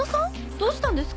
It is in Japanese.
どうしたんですか？